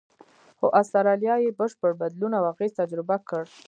خو استرالیا یې بشپړ بدلون او اغېز تجربه کړ.